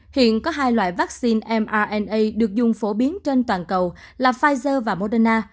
hiện có hai loại vaccine mna được dùng phổ biến trên toàn cầu là pfizer và moderna